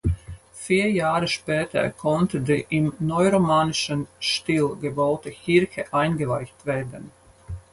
Vier Jahre später konnte die im neuromanischen Stil gebaute Kirche eingeweiht werden.